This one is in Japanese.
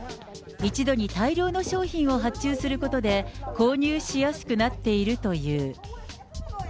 一度に大量の商品を発注することで、購入しやすくなっているという。